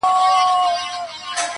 په عزت به یادېدی په قبیله کي!.